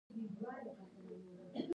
اضافي ارزښت د استثمار په پایله کې راځي